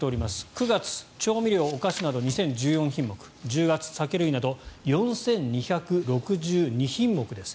９月調味料、お菓子など２０１４品目１０月酒類など４２６２品目です。